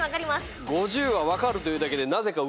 ５０は分かるというだけでなぜかうれしい。